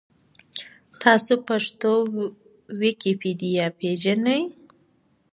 تاسو پښتو ویکیپېډیا پېژنۍ؟